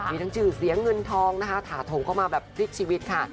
มีทั้งชื่อเสียงเงินทองนะคะถาโถมเข้ามาแบบพลิกชีวิตค่ะ